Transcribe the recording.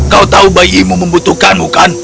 kau tahu bayimu membutuhkanmu kan